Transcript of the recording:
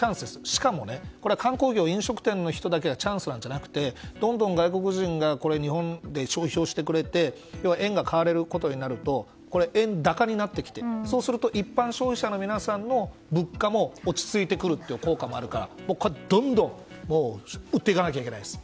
しかも、これは観光業や飲食店の人だけがチャンスなんじゃなくてどんどん外国人が日本で消費してくれて円が買われることになるとこれは円高になってきてそうなると一般消費者の皆さんの物価も落ち着いてくるという効果もあるからこれはどんどん売っていかなきゃいけないです。